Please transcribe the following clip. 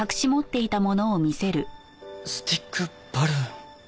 スティックバルーン？